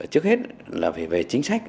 trước hết là phải về chính sách